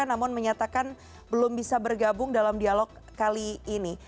namun menyatakan belum bisa bergabung dalam dialog kali ini